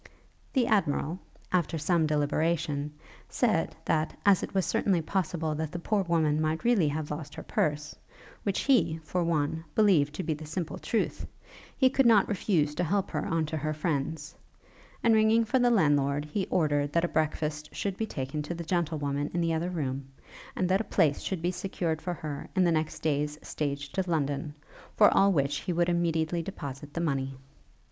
The Admiral, after some deliberation, said, that, as it was certainly possible that the poor woman might really have lost her purse, which he, for one, believed to be the simple truth, he could not refuse to help her on to her friends; and, ringing for the landlord, he ordered that a breakfast should be taken to the gentlewoman in the other room, and that a place should be secured for her in the next day's stage to London; for all which he would immediately deposit the money.